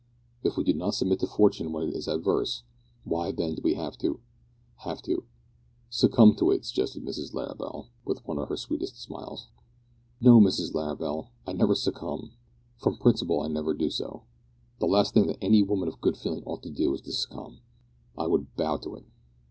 "If we did not submit to fortune when it is adverse, why then we'd have to have to " "Succumb to it," suggested Mrs Larrabel, with one of her sweetest smiles. "No, Mrs Larrabel, I never succumb from principle I never do so. The last thing that any woman of good feeling ought to do is to succumb. I would bow to it."